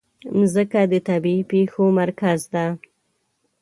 مځکه د طبیعي پېښو مرکز ده.